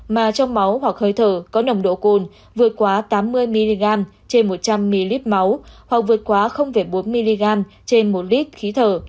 mà trong máu hoặc hơi thở có nồng độ cồn vượt quá tám mươi mg trên một trăm linh ml máu hoặc vượt quá bốn mg trên một lít khí thở